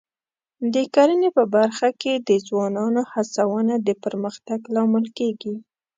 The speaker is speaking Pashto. د کرنې په برخه کې د ځوانانو هڅونه د پرمختګ لامل کېږي.